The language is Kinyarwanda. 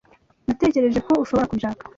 Natekereje ko ushobora kubishaka.